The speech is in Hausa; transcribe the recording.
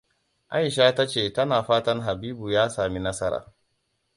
Aisha ta ce tana fatan Habibu ya sami nasara.